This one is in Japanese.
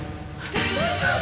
大丈夫？